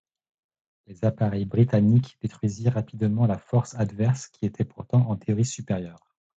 Les appareils britanniques détruisirent rapidement la force adverse qui était pourtant en théorie supérieure.